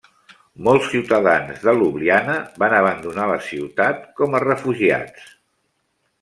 Molts ciutadans de Ljubljana van abandonar la ciutat com a refugiats.